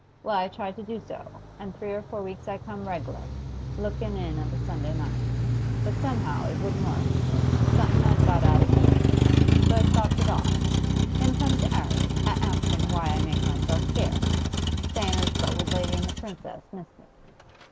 Well, I tried to do so, and three or four weeks I come reg'lar, lookin' in of a Sunday night. But somehow it wouldn't work; something 'ad got out of gear. So I stopped it off. Then comes 'Arry a askin' why I made myself scarce, sayin' as th' old lady and the Princess missed me.